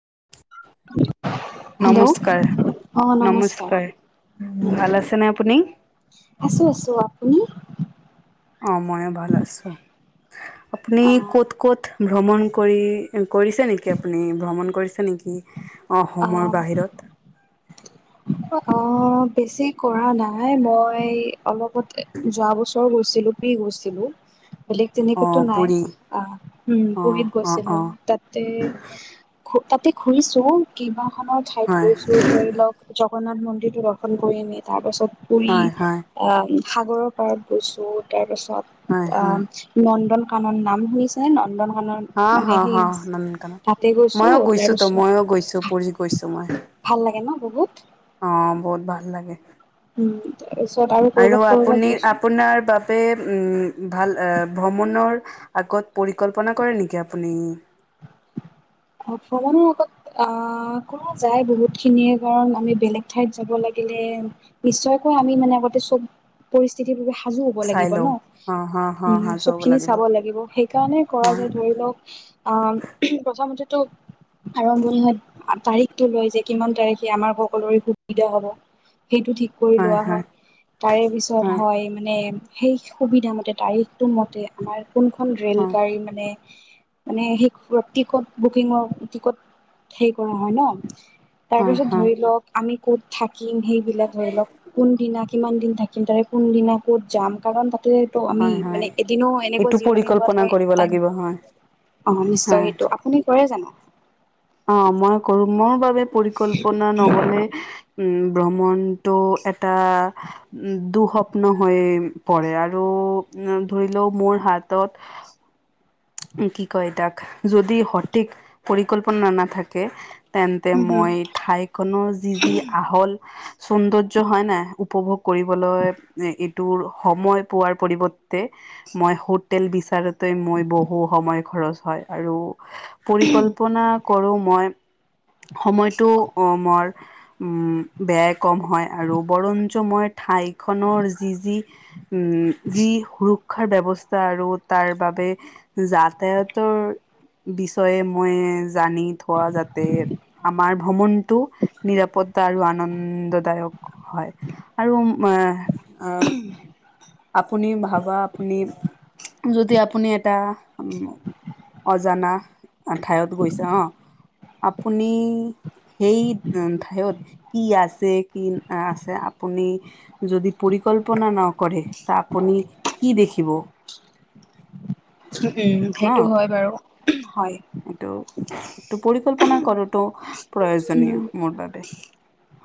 [inaudible] Hello নমস্কাৰ নমস্কাৰ ভাল আছে নে আপুনি আছো আছো আপুনি অ মই ভাল আছো আপুনি অঁ ক'ত ক'ত ভ্ৰমণ কৰি কৰিছে নেকি আপুনি ভ্ৰমণ কৰিছে নেকি অসমৰ বাহিৰত অ বেছি কৰা নাই মই অলপতে যোৱা বছৰ গৈছিলো পি গৈছিলো বেলেগ অ তেনেকো নাই পুৰি আহ উম অ পহীত অ গৈছিলো অ তাতে তাতে ঘুৰিছো কেইবাখো ঠাইত হয় গৈছো ধৰি লওক জগন্নাথ মন্দিৰটো দৰ্শন কৰি আনি তাৰ পাছত পুৰি হয় হয় আহ সাগৰৰ পাৰত গৈছো তাৰ পিছত হয় আ হয় নন্দন কানত নাম শুনিছে নন্দন ভানৰ হা মানে হা সেই হা নন্দনকানন তাতে গৈছো ময়ো তো তাৰপিছত ময়ো গৈছো পুৰি গৈছো মই ভা ভাল লাগে ন বহুত। অ বহুত ভাল লাগে। উম। তাৰপিছত আৰু কৰ'বাত কৰ'বাত আপুনি গৈছো আপোনাৰ বাবে উম ভাল ভ্ৰমণৰ আগত পৰিকল্পনা কৰে নেকি আপুনি? [inaudible] অ ভ্ৰমণৰ আগত আহ কৰা যায় বহুতখিনিয়ে কাৰণ আমি বেলেগ ঠাইত যাব লাগে। লেম নিশ্চয়কৈ আমি মানে আগতে চব পৰিস্থিতিৰ সাজু হ'ব চাই লাগিব লওঁ ন। অ হ হ উম হা চব যাব খিনি চাব লাগিব সেইকাৰণে কৰা হয় যায় ধৰি লওক আহ প্ৰথমতে তুপ আৰম্ভণি হয় তাৰিখটো লয় যে কিমান তাৰিখে আমাৰ সকলোৰে সুবিধা হ'ব। সেইটো ঠিক কৰি লোৱা হয় তাৰে পিছত হয় মানে সেই সুবিধা মতে তাৰিখটো মতে আমাৰ কোনখন ৰেল হয় গাড়ী মানে মানে সেই টিকট বুকিঙৰ টিকট হেৰি কৰা হয় ন? তাৰ হয় পিছত হয় ধৰি লওক আমি ক'ত থাকিম সেইবিলাক ধৰি লওক কোনদিনা কিমান দিন থাকিম তাৰে কোনদিনা ক'ত যাম কাৰণ তাত তে হেত আমি হয় হয় মানে এদিনো এনেকুৱা এইটো জিৰণি লোৱা পৰিকল্পনা ঠাই কৰিব টাইম লাগিব হয় অ নিশ্চয় হয় সেইটো আপুনি কৰে? জানো অ মই কৰো ম পৰিকল্পনা নহলে উম ভ্ৰমণটো এটা দুস্বপ্ন হৈ পৰে আৰ আৰু ধৰিলেও মোৰ হাতত কি কয় তাক যদি সঠিক পৰিকল্পনা নাথাকে তেন্তে উম মই ঠাইখনৰ যি যি আহল সৌন্দৰ্য হয় নাই উপভোগ কৰিবলৈ এইটোৰ সময় পোৱাৰ পৰিৱৰ্তে। মই হোটেল বিচাৰোতে মই বহু সময় খৰচ হয় আৰু পৰিকল্পনা কৰো মই সময়তো অ মৰ বেয়াই কম হয় আৰু ব্ৰঞ্জময়ত ঠাইখনৰ যি যি উম যি সুৰক্ষাৰ ব্যৱস্ স্থা আৰু তাৰ বাবে যাতায়তৰ বিচয়ে মই জানি থোৱা যাতে আমাৰ ভ্ৰমণটো নিৰাপত্তা আৰু আনন্দদায়ক হয় আৰু আ আপুনি ভাবা আপুনি যদি আপুনি এটা অজানা ঠাইত গৈছে অ আপুনি সেই ঠাইত কি আছে কি আছে আপুনি যদি প কল্পনা নকৰে আপুনি কি দেখিব। ন সেইটো হয় বাৰু। হয় এইটো এইটো পৰিকল্পনা কৰো টো, প্ৰয়োজনীয় উম মোৰ বাবে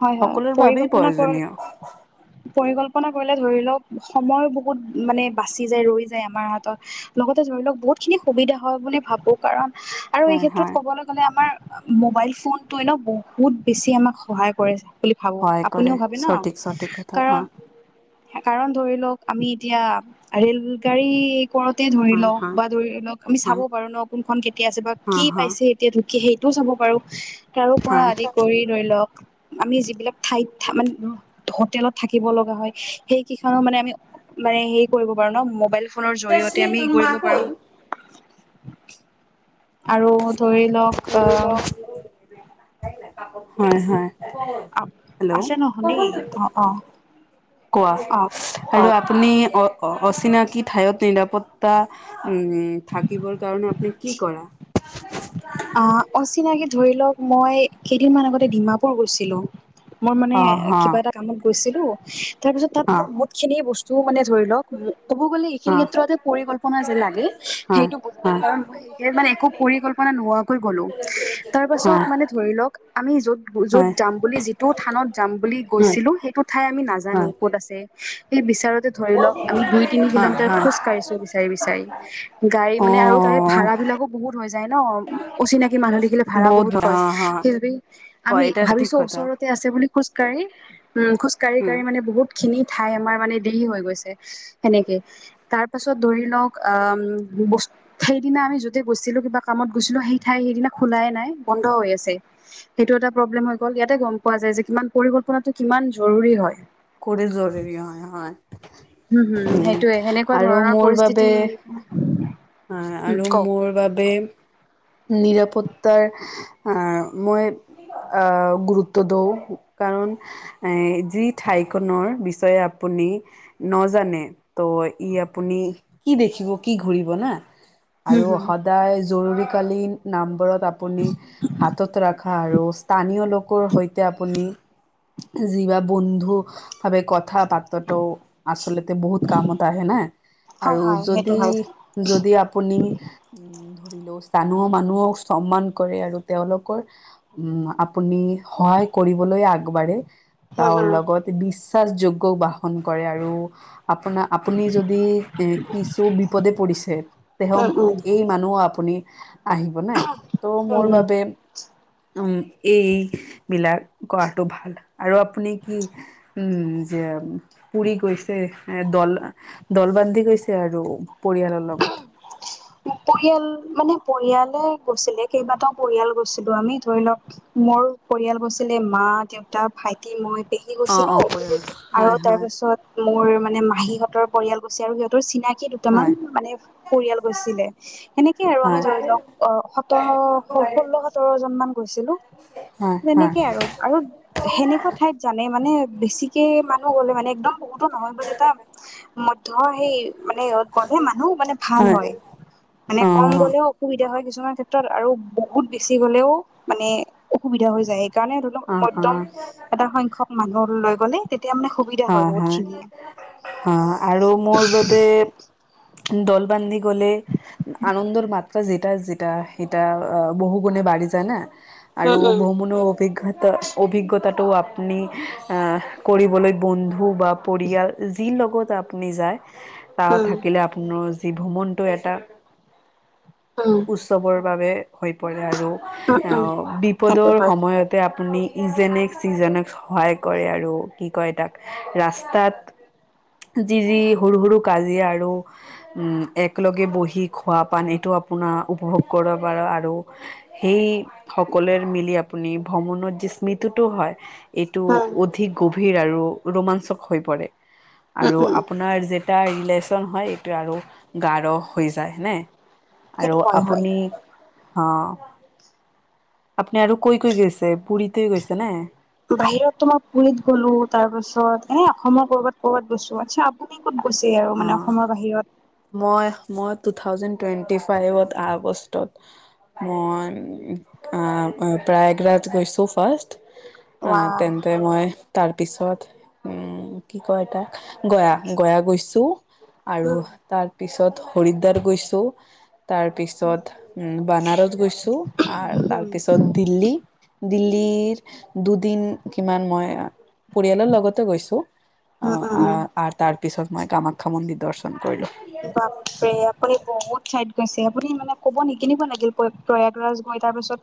হয় হয় সকলোৰ বাবেই পৰিকল্পনা কৰ প্ৰয়োজনীয়। পৰিকল্পনা কৰিলে ধৰি লওক সময় বহুত মানে বাচি যায় ৰৈ যায় আমাৰ হাতত লগতে ধৰি লওক বহুত খিনি সুবিধা হয় বুলি ভাবোঁ কাৰণ আৰু এই হয় ক্ষেত্ৰত হয় ক'বলৈ গ'লে আমাৰ মোবাইল ফোন তই ন বহুত বেছি আমাক সহায় কৰে। বুলি ভাবো সহায় কৰে আপুনিও ভাবে ন সঠিক সঠিক কথা অ কাৰণ কাৰণ ধৰি লওক আমি এতিয়া ৰেল গাড়ী কৰৰতে ধৰি হয় লওক হয় বা ধৰি লওক আমি চাব হয় পাৰো ন কোনখন কেতিয়া আছে বা অ কি হয় পাইছে এতিয়া ঢুকি সেই চাব পাৰো তাৰো পৰা হয় আদি কৰি ধৰি লওক আমি যিবিলাক ঠাইত মানে হোটেলত থাকিব লগা হয় সেইকেইখনো মানে আমি মানে হেৰি কৰিব পাৰোঁ ন মোবাইল ফোনৰ জৰিয়তে আমি হে কৰিব পাৰো। আৰু ধৰি লওক আহ হয় হয় আহ হেল্ল'! আছে নহ দেই অ অ কোৱা অ আৰু কওক আপুনি অ অচিনাকি ঠাইত নিৰা পত্তা উম থাকিবৰ কাৰণে আপুনি কি কৰে? অ অচিনাকি ধৰি লওক মই কেইদিনমান আগতে ডিমাপুৰ গৈছিলো। মই মানে অ হা কিবা এটা কামত গৈছিলো তাৰ পিছত তাত হা মই বহুত খিনি বস্তু জু মানে ধৰি লওক মো ক'ব গ'লে এইখিনি হা ক্ষেত্ৰতে পৰিকল্পনা যে লাগে হা সেইটো বুজা হা যায় কাৰণ মই সেই মানে একো পৰিকল্পনা নোহোৱা কৈ গ'লো। তাৰ পাছত মানে ধৰি লওক আমি যত য'ত হয় হয় যাম বুলি যিটো থানত যাম বুলি হয় গৈছিলো সেই টো ঠাই আমি নাজানো হয় ক'ত আছে সেই বিচাৰোঁত ধৰি লওক আমি দুই তিনি হয় কিলোমিটাৰ হয় খোজ কঢ়িছো বিচাৰি বিচাৰি গাড়ী অ মানে তাৰে ভাড়া এইবিলাকো বহুত হৈ যায় ন অচিনাকি মানুহ দেখিলে ভাড়া বহুত কয় হা হা সেইবাবে আমি কয় এটা সঠিক ভাবিছো কথা ওচৰতে আছে বুলি খোজ কাঢ়ি উম খোজ কাঢ়ি উম কাঢ়ি মানে বহুত খিনি ঠাই আমাৰ মানে দেৰি হৈ গৈছে সেনেকে তাৰপাছত ধৰি লওক আ সেইদিনা আমি যতে গৈছিলো কিবা কামত গৈছিলো সেই ঠাই সেইদিনা খোলাই নাই বন্ধ হৈ আছে সেইটো এটা প্ৰব্লেম হৈ গ'ল ইয়াতে গম পোৱা যায় যে কিমান পৰি টো কিমান জৰুৰী হয় খৰি জৰুৰী হয় হয় উম হুম সেইটোয়ে সেনেকুৱা আৰু ধৰণৰ পৰিস্থিতি হয় উম আৰু কওক মোৰ বাবে নিৰাপত্তাৰ আহ মই আহ গুৰুত্ব দওঁ কাৰণ এ যি ঠাইখনৰ বিষয়ে আপু নি নজানে ত ই আপুনি কি দেখিব কি ঘূৰিব না হুম আৰু হুম সদায় জৰুৰীকালীন নাম্বৰত আপুনি হাতত ৰাখা আৰু স্থানীয় লোকৰ সৈতে আপুনি যি বা বন্ধু ভাৱে কথ কথা পাতাতো আচলতে বহুত কামত আহে না। হয় আৰু হয় সেইটো যদি হয় যদি আপুনি উম ধৰি লওচ জানুহ মানুহক সন্মান কৰে আৰু তেওঁলোকৰ উ আপুনি সহায় কৰিব লৈ আগবাঢ়ে উম উম তাৰ উম লগতে বিশ্বাসযোগ্য বাসন কৰে আৰু আপোনাৰ আপুনি যদি এ কিছু বিপদে পৰিছে তেহম উম এই মানুহ আপুনি আহিব নে ত' উম মোৰ উম বাবে উম এই বিলাক কৰাটো ভাল আৰু আপুনি কি উম যে পুৰি গৈছে এ দল দলবান্ধি গৈছে আৰু পৰিয়ালৰ লগত পৰিয়াল মানে পৰিয়ালে গৈছিলে কেইবাটাও পৰিয়াল গৈছিলো আমি ধৰি লওক মোৰ পৰিয়াল গৈছি লে মা, দেউতা, ভাইটি, মই, পেহী অ গছিলো অ পৰিয়াল আৰু হয় হয় তাৰপিছত মোৰ মানে মাহীহঁতৰ পৰিয়াল গৈছে আৰু সিহঁতৰ চিনাকি দুটামান হয় মানে পৰিয়াল গৈছিলে সেনেকে আৰু আমি হয় ধৰি লওক অ সোৰ ষোল্ল সোতৰ জনমান গৈছিলো হয় হয় তেনেকে আৰু আৰু সেনেকুৱা ঠাইত জানে মানে বেছিকে মানে গ'লে মানে একদম বহুতো নহয় বাট এটা মধ্য সেই মানে গ'লে মানুহ মানে ভাল হয় মানে অ কম অ গ'লেও অসুবিধা হয় ক্ষেত্ৰত আৰু বহুত বেছি গ'লেও মানে অসুবিধা হৈ যায়। সেইকাৰণে ধৰি লওক অ মধ্যম এটা সংখ্যক মানুহ লৈ গ'লে তে হা হা অ আৰু মোৰ বাবে দল বান্ধি গ'লে আনন্দৰ মাত্ৰা যেটা যেটা সেইটা বহু গুণে [unintelligible] আৰু উম বমুনো অভিজ্ঞতা অভিজ্ঞতাটো আপুনি আহ কৰিবলৈ বন্ধু বা পৰিয়াল যি লগত আপুনি যায় উম উম তাৰ থাকিলে আপোনাৰ যি ভ্ৰমণটো এটা উৎসৱৰ বাবে হৈ পৰে আৰু সেইটো বিপদৰ হয় সময়তে আপুনি ইজনেক্ ইিজনক্ সহায় কৰে আৰু কি কয় তাক ৰাস্তাত যি যি সৰু সৰু কাজিয়া আৰু উম একলগে বহি খোৱা পানী এইটো আপোনাৰ উপভোগ কৰিব পাৰি আৰু সেই সকলৰে মিলি আপুনি ভ্ৰমণত যে স্মিতিটো হয়। এইটো উম অধিক গভীৰ আৰু ৰোমাঞ্চক হৈ পৰে উম আৰু উম আপোনাৰ যে এটা ৰিলেশ্যন হয় এইটো আৰু গাঢ় হৈ যায় নে। আৰু সেইটো হয় হয় আপুনি অ' আপুনি আৰু কৈ কৈ গৈছে পুুৰীতে গৈছে নে? বাহিৰত তো মই পুুৰীত গ'লো তাৰ পাছত এনে অসমৰ কৰ'বাত কৰ'বাত গৈছো আচ্ছা আপুনি ক'ত গৈছে আৰু মানে অ অসমৰ বাহিৰত। মই মই টু থাউজেণ্ড টুৱেণ্টি ফাইভত আগষ্টত মই প্ৰয়াগৰাজ গৈছো ফাৰ্ষ্ট। ৱা আহ তেন্তে মই তাৰ পিছত উম কি কয় এ তাক গয়া, গয়া গৈছো আৰু তাৰপিছত হৰিদ্বাৰ গৈছো। তাৰ পিছত উ বানাৰত গৈছো আৰু উম তাৰ উম পিছত দিল্লী, দিল্লী দুদিন কিমান মই পৰিয়ালৰ লগতো গৈছো। অ উম উম আহ আৰু তাৰ পিছত মই কামাখ্যা মন্দিৰ দৰ্শন কৰিলো। বাপৰে আপুনি বহুত চাইড গৈছে আপুনি মানে ক'ব নেকি কেনেকুৱা লাগিল প্ৰয়াগৰাজ গৈ তাৰ পাছত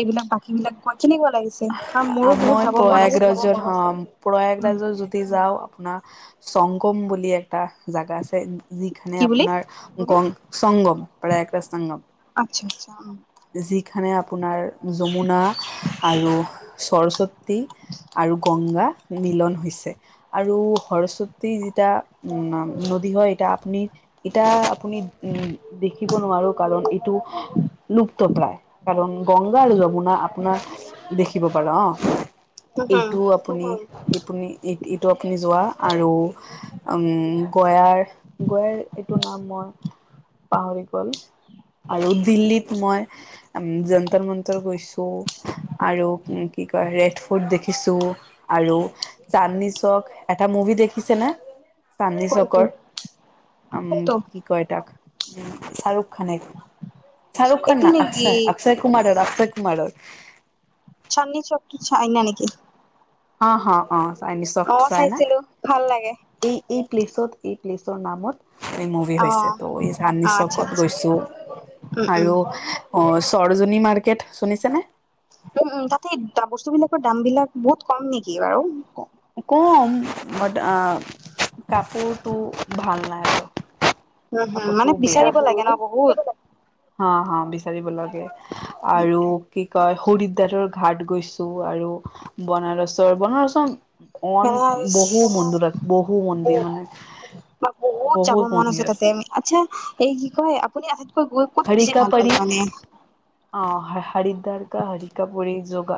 এইবিলাক বাকী বিলাক গৈ কেনেকুৱা লাগিছে আৰু মোৰো বহুত মই যাব মন আছে প্ৰয়াগৰাজত হ উম প্ৰয়াগৰাজত যদি যাও আপোনাক সংগম বুলি এটা জাগা আছে। কি যিখানে বুলি আপোনাৰ গং সংগম প্ৰায়াগৰাজ সংগম [unintelligible] খানে আপোনাৰ যমুনা আৰু সৰস্বত তী আৰু গংগা মিলন হৈছে আৰু সৰস্বতী যিতা উ নদী হয় এটা পুনি এটা আপুনি উম দেখিব নোৱাৰো কাৰণ এইটো লুপ্ত প্ৰায় কাৰণ গংগা আৰু যমুনা আপোনাৰ দেখিব পাৰ, অ। হম হম এইটো আপুনি এইপুনি এই এইটো আপ [unintelligible] যোৱা আৰু, উম গয়াৰ-গয়াৰ এইটো নাম মই পাহৰি গল, আৰু দিল্লীত মই, যন্তৰ-মন্তৰ গৈছোঁ। আৰু কি কি কয় ৰেড ফুট দেখিছোঁ, আৰু চান্নিচক এটা [unintelligible] মুভি দেখিছে নে? কোনটো চান্ডনীচকৰ, উম, কোনটো কি কয় তাক, উম চালোঁ। খানে, শ্বাহৰুখখান এইটো না নেকি অক্ষয়-অক্ষয় কুমাৰৰ অক্ষয় কুমাৰৰ। চান্দনি চক টু চাইনা নেকি? অ', হ, অ, চান্দনি চক অ টু চাইনা, চাইছিলো ভাল লাগে এই এই প্লেছত এই প্লেচৰ নামত এই মুভি অ হৈছে ত' এই চান্দনি অ আচ্ছা চকত আচ্ছা গৈছোঁ, উম উম আৰু অ চৰজনী মাৰ্কেট চুনিছে নে? উম, উম, তাতে বস্তুবিলাকৰ দাম বিলাক বহুত কম নেকি বাৰু? ক-কম বাট আ কাপোৰটো, ভাল নাই আৰু। উম হম কাপোৰটো মানে বেয়া, বিচাৰিব লাগে ন বহুত হা হা [unintelligible] বিচাৰিব লাগে, আৰু কি কয় হৰিদ্বাৰৰ ঘাট গৈছোঁ আৰু বনাৰছৰ, বনাৰছৰ অন বহু মন্দিৰ আছে বহু মন্দিৰ মানে। বা বহুত যাব মন আছে তাতে আচ্ছা এই কি কয় আপুনি গৈ ক'ত বেছি ভাল পালে মানে? হৰিদ্বাৰকা হৰি কা পুৰি যো গা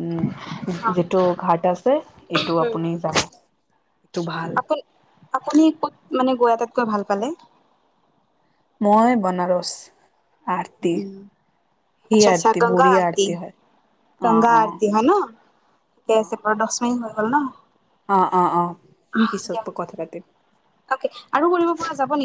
উম অ যিটো ঘাট আছে এইটো আপুনি যাব। এইটো ভাল আপুনি ক'ত মানে গৈ আটাইতকৈ ভাল পালে? মই বনাৰস আৰ্তি উম আচ্ছা আচ্ছা গংগা আৰতি অ গংগা অ আৰতি হয় ন? ঠিকে আছে অ বাৰু দছ মিনিট হৈ গ'ল ন? অ অ অ আহ দিয়ক, পিছত কথা পাতিম অকে আৰু কৰিব পৰা যাব নেকি?